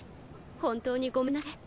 本当にごめんなさいね。